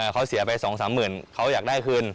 เขาเสียไป๒๓หมื่นเขาอยากได้คืน